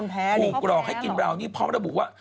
ถูกหลอกให้กินเบานี่เพราะระบุว่า